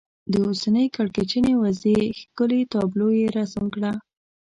د اوسنۍ کړکېچنې وضعې ښکلې تابلو یې رسم کړه.